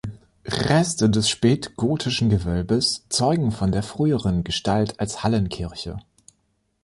Reste des spätgotischen Gewölbes zeugen von der früheren Gestalt als Hallenkirche.